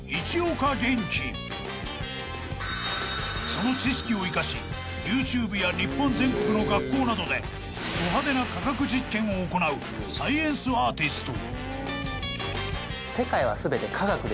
［その知識を生かしＹｏｕＴｕｂｅや日本全国の学校などでド派手な科学実験を行うサイエンスアーティスト］